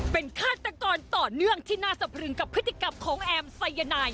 เป็นฆาตกรต่อเนื่องที่น่าสะพรึงกับพฤติกรรมของแอมไซยานาย